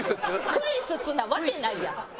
「クイスツ」なわけないやん。